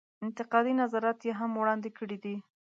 انتقادي نظرات یې هم وړاندې کړي دي.